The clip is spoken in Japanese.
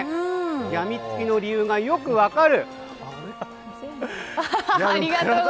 やみつきの理由がよく分かる。